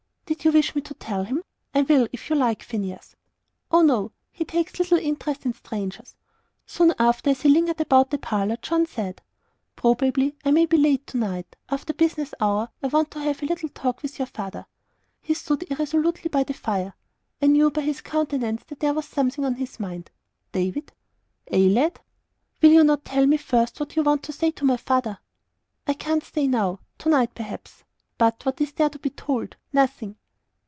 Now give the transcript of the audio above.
"Did you wish me to tell him? I will, if you like, Phineas." "Oh, no. He takes little interest in strangers." Soon after, as he lingered about the parlour, John said: "Probably I may be late to night. After business hours I want to have a little talk with your father." He stood irresolutely by the fire. I knew by his countenance that there was something on his mind. "David." "Ay, lad." "Will you not tell me first what you want to say to my father?" "I can't stay now. To night, perhaps. But, pshaw! what is there to be told? 'Nothing.'"